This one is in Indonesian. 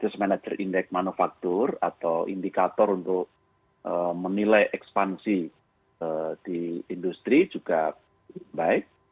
produseman aja indeks manufaktur atau indikator untuk menilai ekspansi di industri juga baik